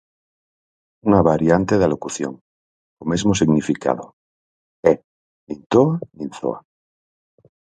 Unha variante da locución, co mesmo significado, é nin toa nin zoa.